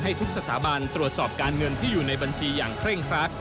ทุกสถาบันตรวจสอบการเงินที่อยู่ในบัญชีอย่างเคร่งครัด